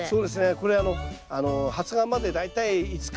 これあの発芽まで大体５日。